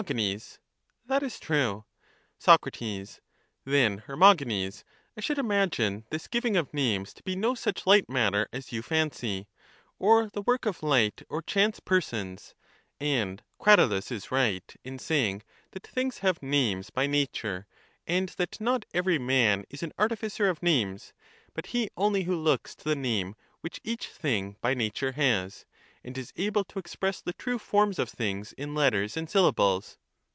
That is true. Soc. Then, Hermogenes, I should imagine this giving of names to be no such light matter as you fancy, or the work of light or chance persons ; and Cratylus is right in saying that things have names by nature, and that not every man is an artificer of names, but he only who looks to the name which each thing by nature has, and is able to express the true forms of things in letters and syllables.